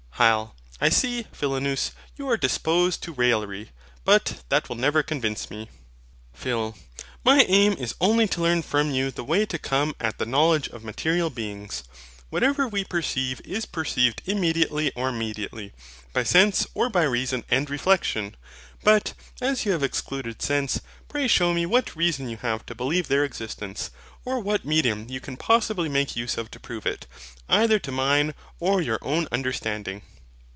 HYL. I see, Philonous, you are disposed to raillery; but that will never convince me. PHIL. My aim is only to learn from you the way to come at the knowledge of MATERIAL BEINGS. Whatever we perceive is perceived immediately or mediately: by sense, or by reason and reflexion. But, as you have excluded sense, pray shew me what reason you have to believe their existence; or what MEDIUM you can possibly make use of to prove it, either to mine or your own understanding.